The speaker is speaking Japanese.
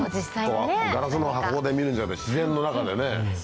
ガラスの箱で見るんじゃなくて自然の中でね。